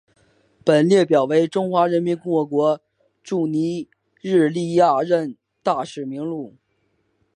本列表为中华人民共和国驻尼日利亚历任大使名录。